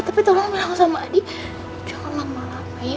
tapi tolong bilang sama adi jangan lama lama ya